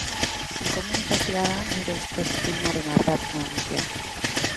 Inkomunikazioa da, nire ustez, filmaren ardatz nagusia.